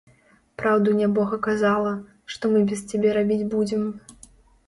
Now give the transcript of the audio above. Праўду нябога казала, што мы без цябе рабіць будзем.